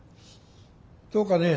どうかね？